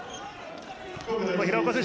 平岡選手